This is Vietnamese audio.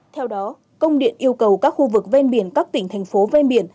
theo đó công điện yêu cầu các khu vực ven biển các tỉnh thành phố ven biển